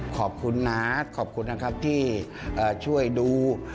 ขอบคุณนะขอบคุณนะครับที่ช่วยดู